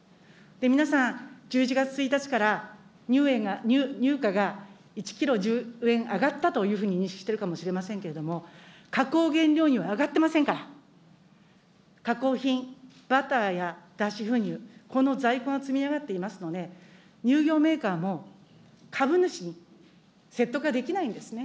皆さん、１１月１日から乳価が１キロ１０円上がったというふうに認識してるかもしれませんけれども、加工原料費は上がっていませんから、加工品、バターや脱脂粉乳、この在庫が積み上がっていますので、乳業メーカーも株主に説得ができないんですね。